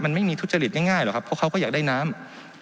มันไม่มีทุจริตง่ายหรอกครับเพราะเขาก็อยากได้น้ำ